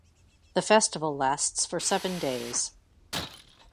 The festival lasts for seven days.